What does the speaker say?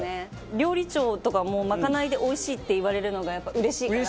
料理長とかも、まかないで「おいしい」って言われるのがやっぱ、うれしいから。